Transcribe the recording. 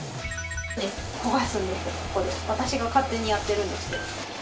私が勝手にやってるんですけど。